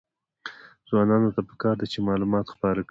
ځوانانو ته پکار ده چې، معلومات خپاره کړي.